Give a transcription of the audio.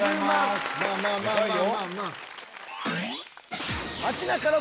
まあまあまあまあ。